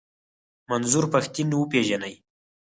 منظور پښتين و پېژنئ.